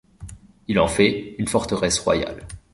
Il en fait une forteresse royale.